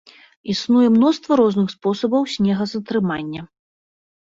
Існуе мноства розных спосабаў снегазатрымання.